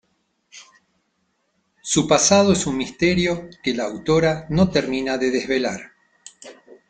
Su pasado es un misterio que la autora no termina de desvelar.